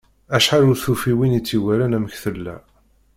Acḥal ur d-tufi win itt-iwalan amek tella.